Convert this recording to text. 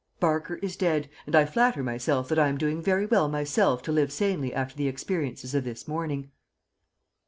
Barker is dead, and I flatter myself that I am doing very well myself to live sanely after the experiences of this morning.